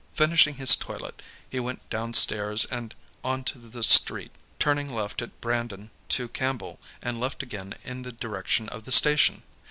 Finishing his toilet, he went downstairs and onto the street, turning left at Brandon to Campbell, and left again in the direction of the station.